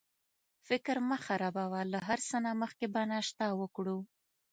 فکر مه خرابوه، له هر څه نه مخکې به ناشته وکړو.